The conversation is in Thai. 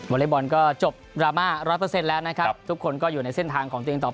วอเล็กบอลก็จบรามาร์๑๐๐แล้วนะครับทุกคนก็อยู่ในเส้นทางของตัวเองต่อไป